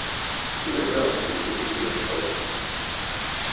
Ulenga akzeptierte diese Entscheidung.